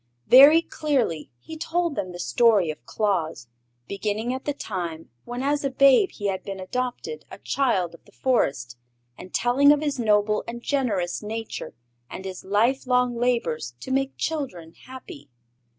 Very clearly he told them the story of Claus, beginning at the time when as a babe he had been adopted a child of the Forest, and telling of his noble and generous nature and his life long labors to make children happy.